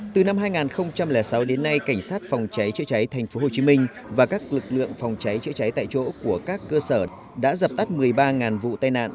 từ năm hai nghìn sáu đến nay cảnh sát phòng cháy chữa cháy tp hcm và các lực lượng phòng cháy chữa cháy tại chỗ của các cơ sở đã dập tắt một mươi ba vụ tai nạn